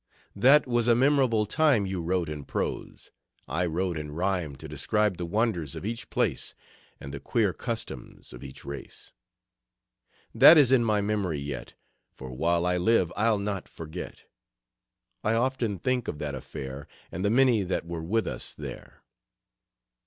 That was a memorable time You wrote in prose, I wrote in Rhyme To describe the wonders of each place, And the queer customs of each race. That is in my memory yet For while I live I'll not forget. I often think of that affair And the many that were with us there.